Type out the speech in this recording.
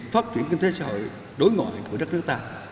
phát triển kinh tế xã hội đối ngoại của đất nước ta